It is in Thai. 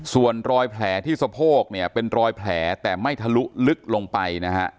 ส่วนรอยแผลที่สะโพกเนี่ยเป็นรอยแผลแต่ไม่ทะลุลึกลงไปนะฮะ